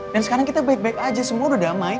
dan sekarang kita baik baik aja semua udah damai